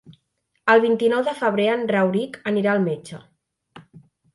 El vint-i-nou de febrer en Rauric anirà al metge.